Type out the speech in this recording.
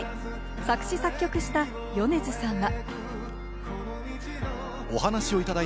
作詞・作曲した米津さんは。